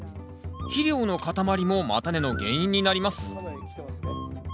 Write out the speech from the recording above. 肥料の塊も叉根の原因になります。